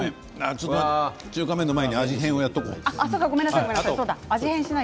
中華麺の前に味変もやっておこう。